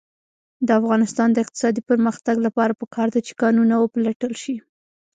د افغانستان د اقتصادي پرمختګ لپاره پکار ده چې کانونه وپلټل شي.